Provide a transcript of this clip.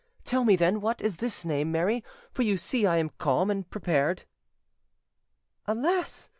Tell me, then, what is this name, Mary; for you see I am calm and prepared." "Alas!